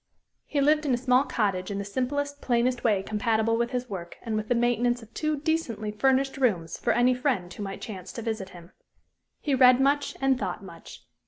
He lived in a small cottage, in the simplest, plainest way compatible with his work and with the maintenance of two decently furnished rooms for any friend who might chance to visit him. He read much and thought much.